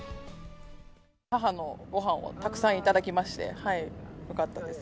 母のごはんをたくさん頂きまして、よかったです。